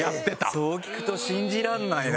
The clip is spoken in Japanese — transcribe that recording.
そう聞くと信じられないな。